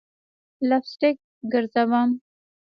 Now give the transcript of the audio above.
لپ سټک ګرزوم